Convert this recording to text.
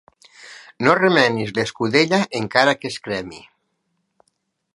No remenis l'escudella encara que es cremi.